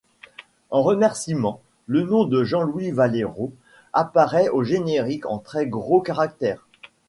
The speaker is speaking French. En remerciement, le nom de Jean-Louis Valero apparaît au générique en très gros caractères.